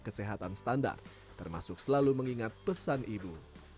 kesehatan standar termasuk selalu mengingat pesan ibu